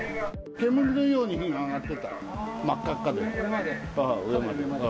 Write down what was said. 煙のように火が上がってた、真っ赤っかで、上まで。